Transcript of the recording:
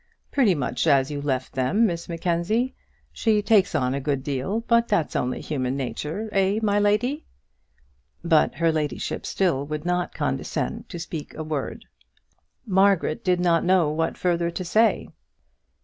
"Pretty much as you left them, Miss Mackenzie; she takes on a good deal; but that's only human nature; eh, my lady?" But her ladyship still would not condescend to speak a word. Margaret did not know what further to say.